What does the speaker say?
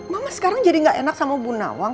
mama sekarang jadi gak enak sama bu nawang